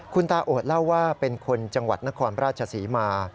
คุณตาโอดเล่าว่าเป็นคนจังหวัดนครราชศรีมา